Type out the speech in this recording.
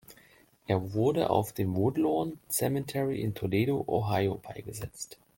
Er wurde auf dem "Woodlawn Cemetery" in Toledo, Ohio beigesetzt.